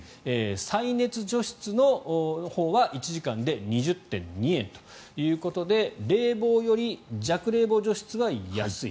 再熱除湿のほうは１時間で２０．２円ということで冷房より弱冷房除湿が安い。